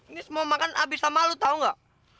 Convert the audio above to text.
ini semua makan abis sama lu tau gak